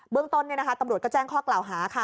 เบื้องต้นเนี่ยนะคะตำรวจก็แจ้งข้อกล่าวหาค่ะ